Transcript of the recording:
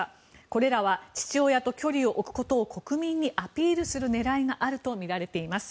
これらは父親と距離を置くことを国民にアピールする狙いがあるとみられています。